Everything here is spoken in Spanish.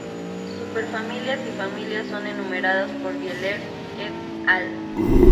Superfamilias y familias son enumeradas por Bieler "et al".